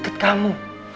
di dekat kamu